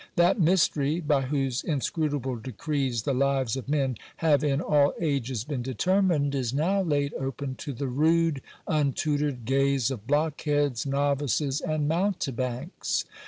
That mystery, by whose inscrutable decrees the lives VISIT TO DOCTOR SAXGRADO. 335 of men have in all ages been determined, is now laid open to the rude, untutored gaze of blockheads, novices, and mountebanks.